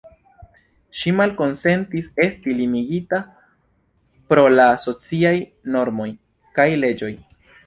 Ŝi malkonsentis esti limigita pro la sociaj normoj kaj leĝoj.